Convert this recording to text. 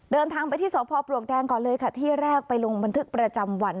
เดินทางไปที่สพปลวกแดงก่อนเลยค่ะที่แรกไปลงบันทึกประจำวัน